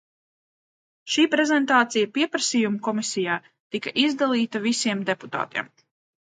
Šī prezentācija Pieprasījumu komisijā tika izdalīta visiem deputātiem.